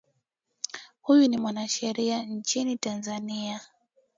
huyu ni mwanasheria nchini tanzania